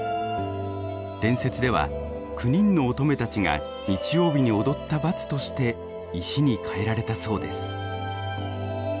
伝説では９人の乙女たちが日曜日に踊った罰として石に変えられたそうです。